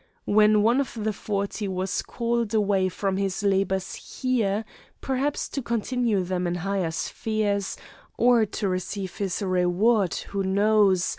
When one of the forty was called away from his labors here, perhaps to continue them in higher spheres, or to receive his reward, who knows?